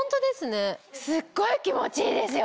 すっごい気持ちいいですよ。